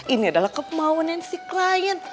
ini adalah kemauan si klien